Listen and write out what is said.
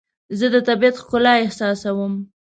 زه د طبیعت ښکلا احساسوم.